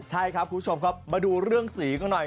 ใช่ครับคุณผู้ชมครับมาดูเรื่องสีกันหน่อย